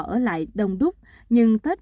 ở lại đông đúc nhưng tết